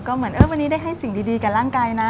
ก็เหมือนวันนี้ได้ให้สิ่งดีกับร่างกายนะ